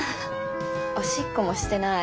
おしっこもしてない。